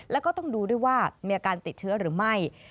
แล้วก็ต้องดูด้วยว่ามีอาการติดเชื้อหรือไม่